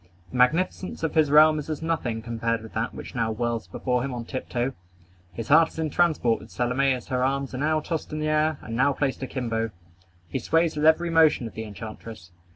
The magnificence of his realm is as nothing compared with that which now whirls before him on tiptoe. His heart is in transport with Salome as her arms are now tossed in the air, and now placed akimbo. He sways with every motion of the enchantress.